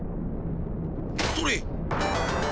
それ！